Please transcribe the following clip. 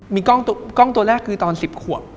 มีกล้องตัวแรกคือตอน๑๐ขวบ